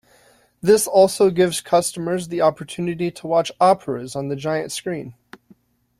This also gives customers the opportunity to watch Operas on the giant screen.